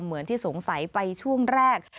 เหมือนที่สงสัยไปช่วงแรก